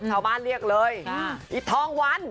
ชาวบ้านเรียกเลยอีทธองวัน